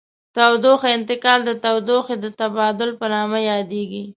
تودوخې انتقال د تودوخې د تبادل په نامه یادیږي.